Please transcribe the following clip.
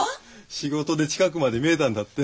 仕事で近くまで見えたんだって。